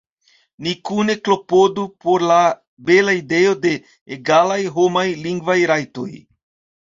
Ni kune klopodu por la bela ideo de egalaj homaj lingvaj rajtoj!